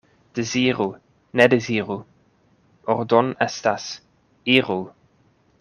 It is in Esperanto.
Deziru, ne deziru — ordon' estas, iru!